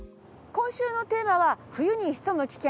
今週のテーマは冬に潜む危険。